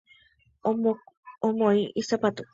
Omoĩ isapatu.